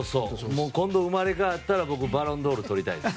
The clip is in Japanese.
僕今度生まれ変わったらバロンドールとりたいです。